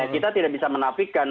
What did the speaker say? kita tidak bisa menafikan